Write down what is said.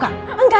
gak ada gak ada